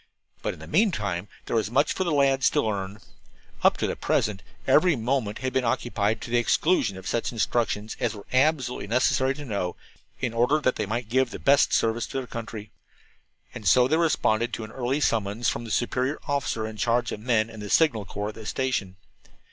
But in the meantime there was much for the lads to learn. Up to the present every moment had been occupied to the exclusion of such instructions as were absolutely necessary to know, in order that they might give the best service to their country. And so they responded early to a summons from the superior officer in charge of men in the Signal Corps at that station.